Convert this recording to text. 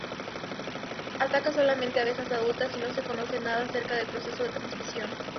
Ataca solamente abejas adultas y no se conoce nada acerca del proceso de transmisión.